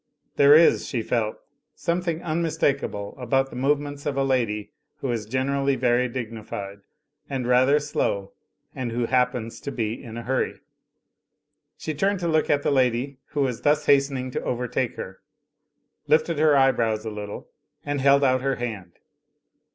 There is, she felt, something unmis takable about the movements of a lady who is gener ally very dignified and rather slow, and who happens to be in a hurry. She turned to look at the lady who was thus hasten ing to overtake her; lifted her eyebrows a little and held out her hand.